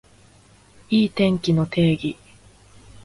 いい天気の定義